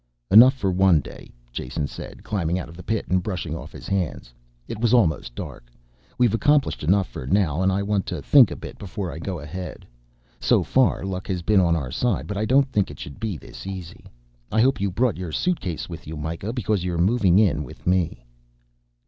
"Enough for one day," Jason said, climbing out of the pit and brushing off his hands. It was almost dark. "We've accomplished enough for now and I want to think a bit before I go ahead. So far luck has been on our side, but I don't think it should be this easy. I hope you brought your suitcase with you, Mikah, because you're moving in with me."